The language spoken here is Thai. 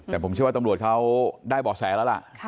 แต่ผมเชื่อว่าตำรวจเขาได้บ่อแสแล้วล่ะ